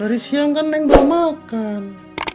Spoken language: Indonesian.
hari siang kan neng belum makan